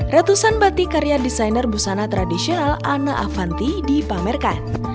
ratusan batik karya desainer busana tradisional ana avanti dipamerkan